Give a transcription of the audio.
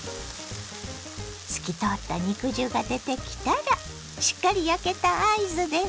透き通った肉汁が出てきたらしっかり焼けた合図です。